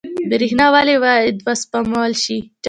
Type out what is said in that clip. برښنا ولې باید وسپمول شي؟